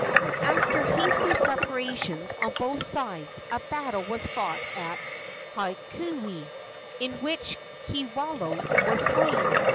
After hasty preparations on both sides a battle was fought at Hauiki, in which Kiwalao was slain.